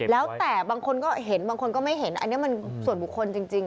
แล้วแต่บางคนก็เห็นบางคนก็ไม่เห็นอันนี้มันส่วนบุคคลจริง